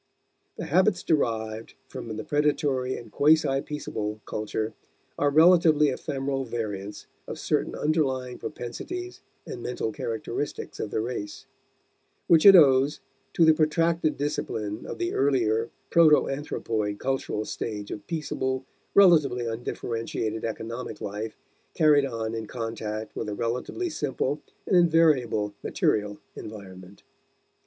The habits derived from the predatory and quasi peaceable culture are relatively ephemeral variants of certain underlying propensities and mental characteristics of the race; which it owes to the protracted discipline of the earlier, proto anthropoid cultural stage of peaceable, relatively undifferentiated economic life carried on in contact with a relatively simple and invariable material environment.